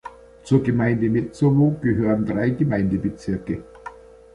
Zur Gemeinde Metsovo gehören drei Gemeindebezirke.